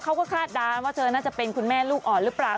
คาดการณ์ว่าเธอน่าจะเป็นคุณแม่ลูกอ่อนหรือเปล่า